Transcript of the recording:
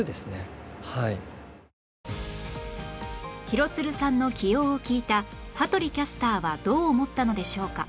廣津留さんの起用を聞いた羽鳥キャスターはどう思ったのでしょうか？